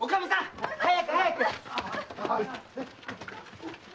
早く早く！